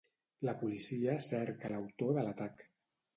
La policia cerca l’autor de l’atac.